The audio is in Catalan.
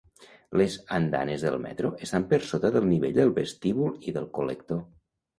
Les andanes del metro estan per sota del nivell del vestíbul i del col·lector.